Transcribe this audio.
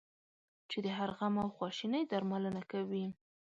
چې د هر غم او خواشینی درملنه کوي.